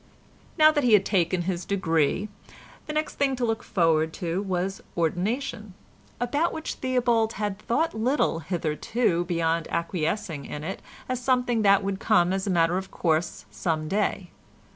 Now that he had taken his degree the next thing to look forward to was ordination—about which Theobald had thought little hitherto beyond acquiescing in it as something that would come as a matter of course some day.